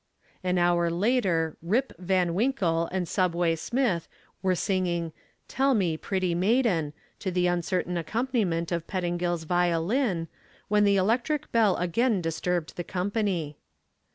An hour later "Rip" Van Winkle and Subway Smith were singing "Tell Me, Pretty Maiden," to the uncertain accompaniment of Pettingill's violin, when the electric bell again disturbed the company.